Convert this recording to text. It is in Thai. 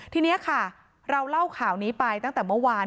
ทีนี้ค่ะเราเล่าข่าวนี้ไปตั้งแต่เมื่อวาน